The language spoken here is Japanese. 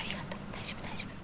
大丈夫大丈夫。